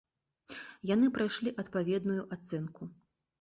Яны прайшлі адпаведную ацэнку.